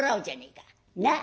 なあ。